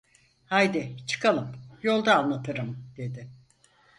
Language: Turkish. "Haydi, çıkalım, yolda anlatırım!" dedi.